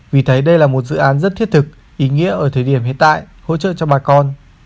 vì thấy đây là một dự án rất thiết thực ý nghĩa ở thời điểm hiện tại hỗ trợ cho bà con